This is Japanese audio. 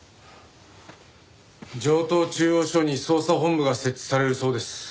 城東中央署に捜査本部が設置されるそうです。